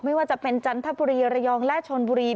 ไม่ว่าจะเป็นจันทบุรีระยองและชนบุรี